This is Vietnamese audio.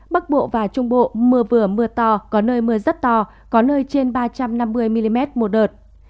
bắc bộ và trung bộ mưa vừa mưa to có nơi mưa rất to có nơi trên ba trăm năm mươi mm một đợt